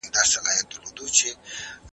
انا خپل عبادت په پوره تواضع سره خلاص کړی دی.